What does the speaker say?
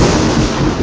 aduh kayak gitu